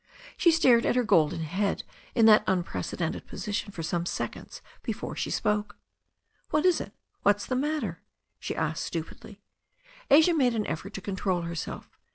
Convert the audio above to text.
She stared at her golden head in that unprece dented position for some seconds before she spoke. "What is it? What is the matter?" she asked stupidly. Asia made an effort to control herself.